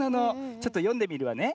ちょっとよんでみるわね。